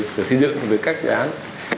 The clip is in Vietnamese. sở xây dựng về các dự án